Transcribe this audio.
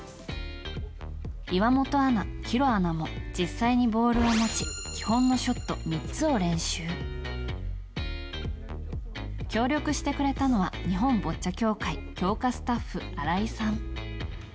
岩本アナ、弘アナも実際にボールを持ち基本のショット３つを練習。協力してくれたのは日本ボッチャ協会強化スタッフ新井さん。